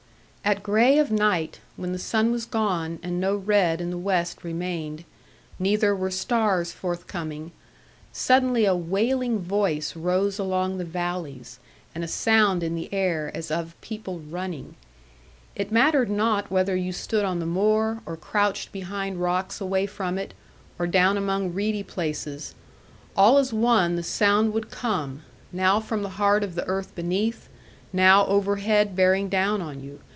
At grey of night, when the sun was gone, and no red in the west remained, neither were stars forthcoming, suddenly a wailing voice rose along the valleys, and a sound in the air, as of people running. It mattered not whether you stood on the moor, or crouched behind rocks away from it, or down among reedy places; all as one the sound would come, now from the heart of the earth beneath, now overhead bearing down on you.